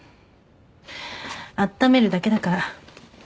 あっためるだけだから。